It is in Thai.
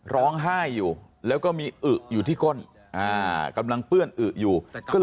ร้องไห้อยู่